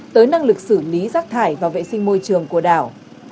tới năng lực xử lý rác thải và vệ sinh môi trường của đảo